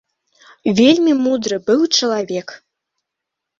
Вельмі мудры быў чалавек.